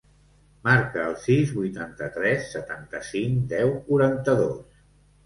Marca el sis, vuitanta-tres, setanta-cinc, deu, quaranta-dos.